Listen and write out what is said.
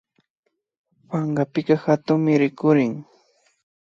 Pankapika hatunmi rikurin